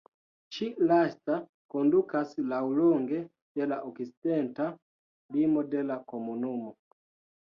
Ĉi-lasta kondukas laŭlonge de la okcidenta limo de la komunumo.